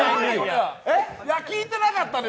聞いていなかったんで。